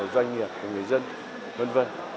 doanh nghiệp người dân v v